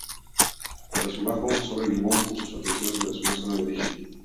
Tras su trabajo sobre Gibbon, puso su atención sobre su zona de origen.